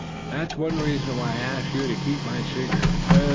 That's one reason why I asked you to keep my secret.